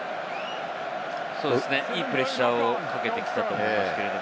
いいプレッシャーをかけてきたと思います。